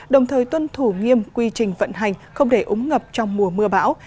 đồng thời tuân thủ nghiêm quy trình vận hành không để ống ngập trong mùa mưa bão